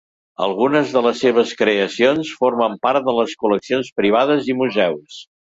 Algunes de les seves creacions formen part de col·leccions privades i museus.